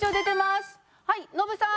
はいノブさん。